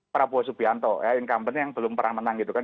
prabowo subianto ya incumbent yang belum pernah menang gitu kan